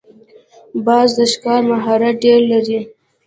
باز د ښکار مهارت ډېر لري